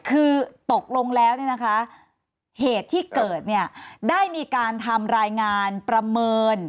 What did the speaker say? คือตกลงแล้วเนี่ยนะคะเหตุที่เกิดเนี่ยได้มีการทำรายงานประเมิน